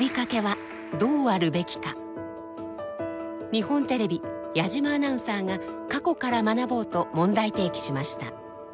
日本テレビ矢島アナウンサーが過去から学ぼうと問題提起しました。